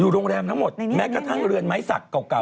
โรงแรมทั้งหมดแม้กระทั่งเรือนไม้สักเก่า